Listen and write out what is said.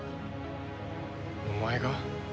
お前が？